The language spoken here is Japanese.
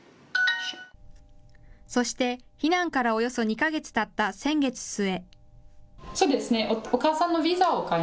そして、避難からおよそ２か月たった先月末。